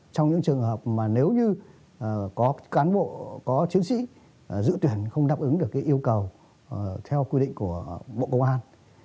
trong những trường hợp mà nếu như có cán bộ có chiến sĩ giữ tuyển không đáp ứng được yêu cầu theo quy định của bộ công an